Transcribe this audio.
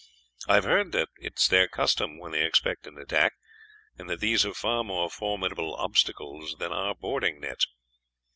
I have heard that it is their custom when they expect an attack, and that these are far more formidable obstacles than our boarding nets.